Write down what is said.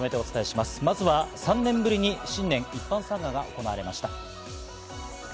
まずは３年ぶりに新年一般参賀が行われました。